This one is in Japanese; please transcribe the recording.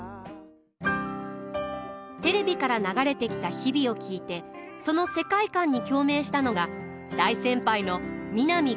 テレビから流れてきた「日々」を聴いてその世界観に共鳴したのが大先輩の南